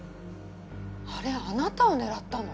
あれあなたを狙ったの？